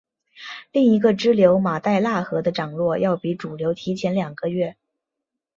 另一个支流马代腊河的涨落要比主流提前两个月。